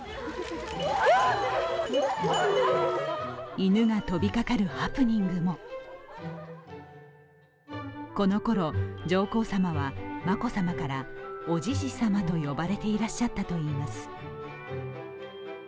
犬が飛びかかるハプニングもこのころ、上皇さまは眞子さまからおじじさまと呼ばれていらっしゃったといいます。